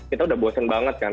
kita udah bosen banget kan